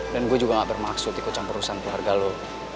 dan gue juga nggak bermaksud ikut campur urusan keluarga lo